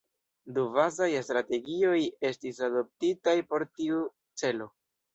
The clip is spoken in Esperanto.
Du bazaj strategioj estis adoptitaj por tiu celo.